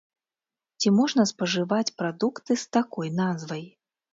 Ці можна спажываць прадукты з такой назвай?